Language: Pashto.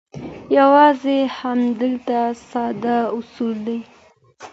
یوازې همدا ساده اصول دي.